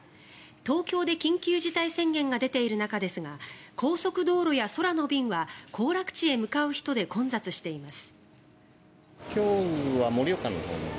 東京で緊急事態宣言が出ている中ですが高速道路や空の便は行楽地へ向かう人で混雑しています。